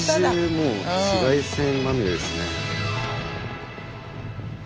もう紫外線まみれですね。